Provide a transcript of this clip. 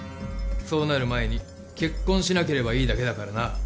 そうなる前に結婚しなければいいだけだからな。